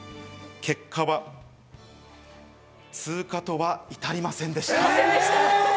結果は、通過とか至りませんでした。